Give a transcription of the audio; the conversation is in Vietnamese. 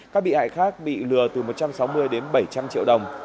các bị hại khác bị lừa từ một trăm sáu mươi đến bảy trăm linh triệu đồng